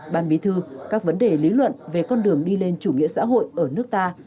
ban bí thư các vấn đề lý luận về con đường đi lên chủ nghĩa xã hội ở nước ta